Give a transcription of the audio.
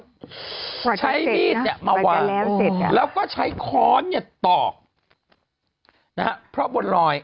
ใช้มีดเนี่ยมาวางเสร็จแล้วก็ใช้ค้อนเนี่ยตอกนะฮะเพราะบนรอย